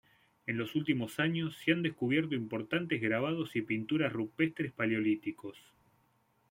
En los últimos años se han descubierto importantes grabados y pinturas rupestres paleolíticos.